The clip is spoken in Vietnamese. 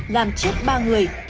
làm chết ba người